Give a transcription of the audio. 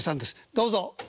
どうぞ！